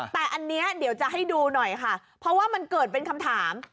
แต่อันนี้เดี๋ยวจะให้ดูหน่อยค่ะเพราะว่ามันเกิดเป็นคำถาม